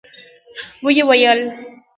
ويې ويل: